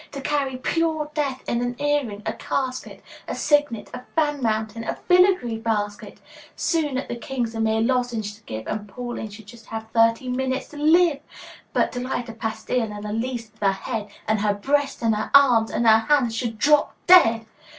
To carry pure death in an earring, a casket, A signet, a fan mount, a filigree basket! 20 Soon, at the King's, a mere lozenge to give And Pauline should have just thirty minutes to live! But to light a pastille, and Elise, with her head And her breast and her arms and her hands, should drop dead!